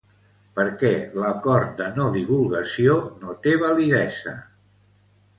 Per què l'acord de no-divulgació no té validesa?